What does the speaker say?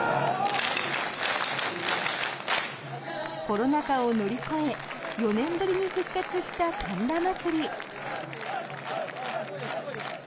コロナ禍を乗り越え４年ぶりに復活した神田祭。